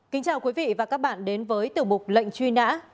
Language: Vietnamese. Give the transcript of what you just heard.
kính chào quý vị và các bạn đến với tiểu mục lệnh truy nã